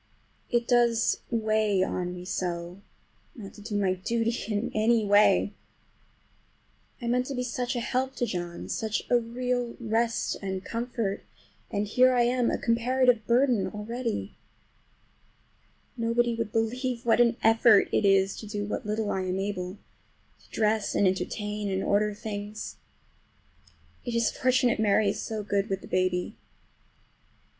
It does weigh on me so not to do my duty in any way! I meant to be such a help to John, such a real rest and comfort, and here I am a comparative burden already! Nobody would believe what an effort it is to do what little I am able—to dress and entertain, and order things. It is fortunate Mary is so good with the baby.